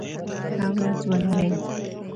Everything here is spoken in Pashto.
ښه ورځ ولرئ.